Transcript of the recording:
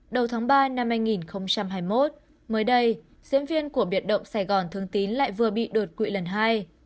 đầu tháng ba năm hai nghìn hai mươi một mới đây diễn viên của biệt động sài gòn thương tín lại vừa bị đột quỵ lần hai